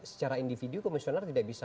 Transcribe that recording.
secara individu komisioner tidak bisa